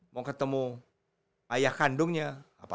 mau ketemu ayah kandungnya